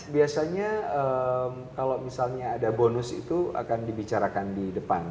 biasanya kalau misalnya ada bonus itu akan dibicarakan di depan